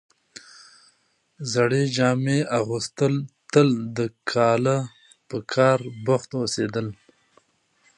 زړې جامې اغوستل تل د کاله په کار بوخت هوسېدل،